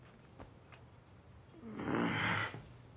うん。